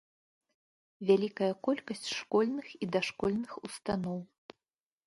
Вялікая колькасць школьных і дашкольных устаноў.